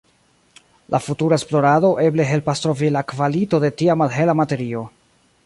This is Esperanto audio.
La futura esplorado eble helpas trovi la kvalito de tia malhela materio.